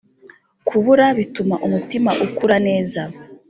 kubura bituma umutima ukura neza